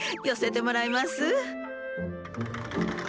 寄せてもらいます。